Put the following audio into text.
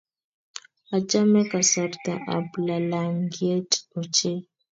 Achame kasarta ab lalangiet ochei